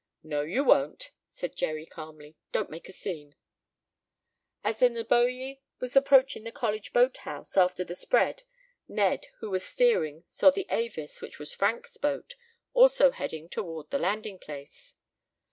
"No, you won't," said Jerry calmly. "Don't make a scene." As the Neboje was approaching the college boathouse after the spread Ned, who was steering, saw the Avis, which was Frank's boat, also heading toward the landing place.